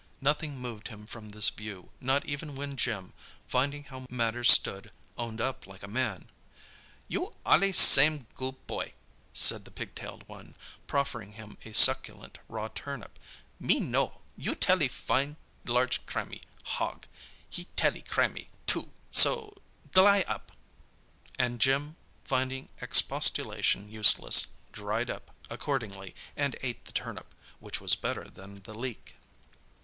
Nothing moved him from this view, not even when Jim, finding how matters stood, owned up like a man. "You allee same goo' boy," said the pigtailed one, proffering him a succulent raw turnip. "Me know. You tellee fine large crammee. Hogg, he tellee crammee, too. So dly up!" And Jim, finding expostulation useless, "dried up" accordingly and ate the turnip, which was better than the leek.